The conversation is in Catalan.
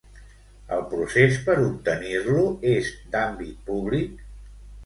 El procés per obtenir-lo és d'àmbit públic?